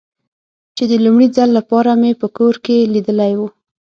چې د لومړي ځل له پاره مې په کور کې لیدلی و.